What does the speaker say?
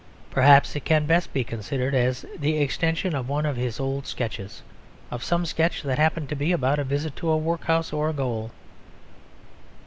Perhaps it can best be considered as the extension of one of his old sketches, of some sketch that happened to be about a visit to a workhouse or a gaol.